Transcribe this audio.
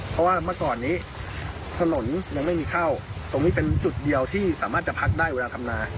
เพราะว่าเมื่อก่อนนี้ถนนยังไม่มีเข้าตรงนี้เป็นจุดเดียวที่สามารถจะพักได้เวลาทำนา